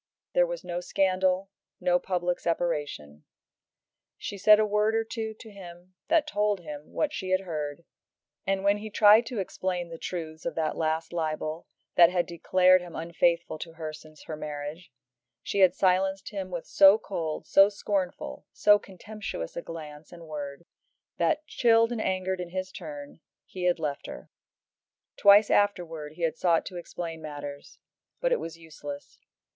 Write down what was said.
There was no scandal, no public separation. She said a word or two to him that told him what she had heard, and when he tried to explain the truths of that last libel that had declared him unfaithful to her since her marriage, she had silenced him with so cold, so scornful, so contemptuous a glance and word, that, chilled and angered in his turn, he had left her. Twice afterwards he had sought to explain matters, but it was useless.